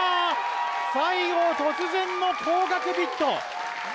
最後、突然の高額ビット！